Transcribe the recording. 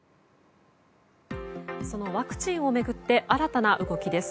そのワクチンを巡って新たな動きです。